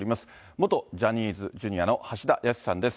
元ジャニーズＪｒ．の橋田康さんです。